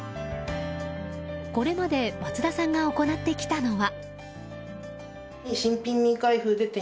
これまで松田さんが行ってきたのは。